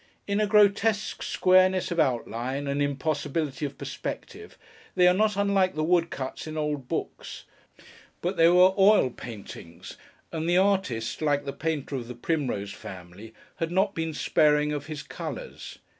In a grotesque squareness of outline, and impossibility of perspective, they are not unlike the woodcuts in old books; but they were oil paintings, and the artist, like the painter of the Primrose family, had not been sparing of his colours.